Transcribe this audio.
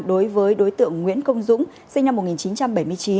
đối với đối tượng nguyễn công dũng sinh năm một nghìn chín trăm bảy mươi chín